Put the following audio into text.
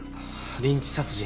リンチ殺人。